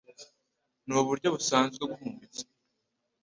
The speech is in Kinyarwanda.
ni uburyo busanzwe bw'umubiri